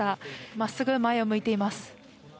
まっすぐ前を向いています。